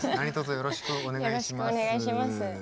よろしくお願いします。